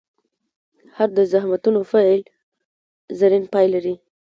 هر د زخمتونو پیل؛ زرین پای لري.